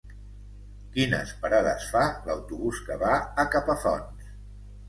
Quines parades fa l'autobús que va a Capafonts?